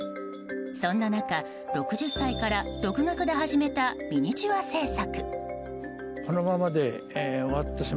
そんな中６０歳から独学で始めたミニチュア製作。